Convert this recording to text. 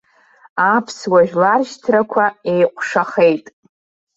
Аԥсуа жәларшьҭрақәа еиҟәшахеит.